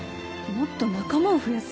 もっと仲間を増やす？